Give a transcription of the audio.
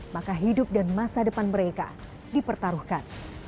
maka hidup dan masa depan mereka dipertaruhkan